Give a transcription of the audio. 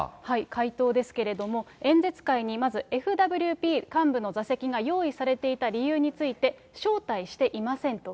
回答ですけれども、演説会にまず、ＦＷＰ幹部の座席が用意されていた理由について、招待していませんと。